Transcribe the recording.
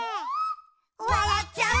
「わらっちゃう」